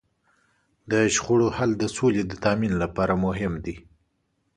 د شخړو حل د سولې د تامین لپاره مهم دی.